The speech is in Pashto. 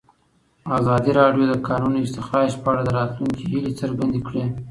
ازادي راډیو د د کانونو استخراج په اړه د راتلونکي هیلې څرګندې کړې.